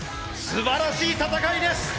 すばらしい戦いです！